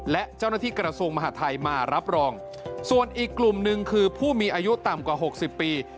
และเจ้าหน้าที่กระทรวงมหาทัยมารับรองส่วนอีกกลุ่มหนึ่งคือผู้มีอายุต่ำกว่าหกสิบปี